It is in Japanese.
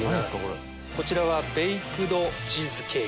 こちらはベイクドチーズケーキ。